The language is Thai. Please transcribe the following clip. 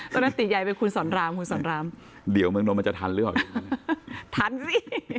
ตอนนั้นติใหญ่เป็นคุณสอนรามคุณสอนรามเดี๋ยวเมืองนมมันจะทันหรือเปล่าทันสิ